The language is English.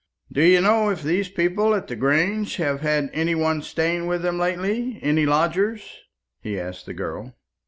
"Do you know if these people at the Grange have had any one staying with them lately any lodgers?" he asked the girl.